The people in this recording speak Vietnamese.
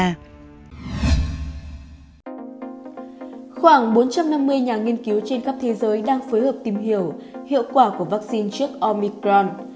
khoảng bốn trăm năm mươi nhà nghiên cứu trên khắp thế giới đang phối hợp tìm hiểu hiệu quả của vaccine trước omicron